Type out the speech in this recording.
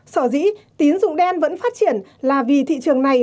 sở dĩ tín dụng đen vẫn phát triển là vì thị trường này